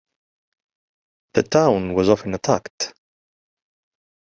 The town was often attacked.